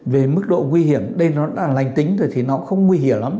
về mức độ nguy hiểm đây nó là lành tính rồi thì nó không nguy hiểm lắm